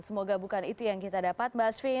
semoga bukan itu yang kita dapat